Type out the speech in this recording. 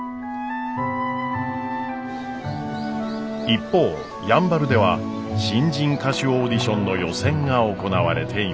一方やんばるでは新人歌手オーディションの予選が行われていました。